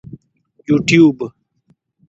یوټیوب